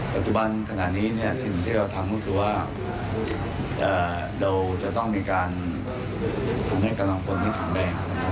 ปัจจุบันขณะนี้สิ่งที่เราทำก็คือว่าเราจะต้องมีการฝึกกำลังคนให้ขังแรง